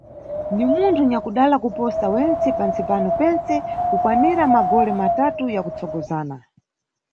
Ni munthu nyakudala kuposa wentse pantsi pano pentse kukwanira magole matatu ya kutsogozana.